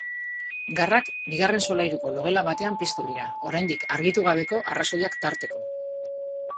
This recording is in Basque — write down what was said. Garrak bigarren solairuko logela batean piztu dira, oraindik argitu gabeko arrazoiak tarteko.